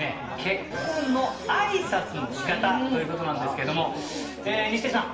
結婚の挨拶の仕方という事なんですけども西出さん